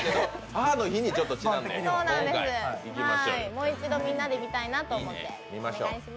もう一度みんなで見たいなと思って、お願いします。